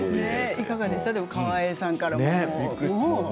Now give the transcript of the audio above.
いかがですか川栄さんから。